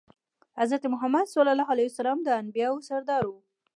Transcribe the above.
حضرت محمد د انبياوو سردار وو.